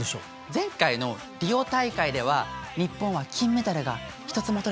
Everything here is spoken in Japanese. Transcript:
前回のリオ大会では日本は金メダルが一つも取れてないんです。